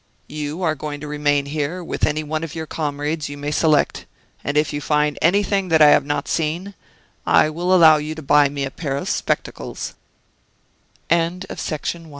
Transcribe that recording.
You are going to remain here with any one of your comrades you may select. And if you find anything that I have not seen, I will allow you to buy me a pai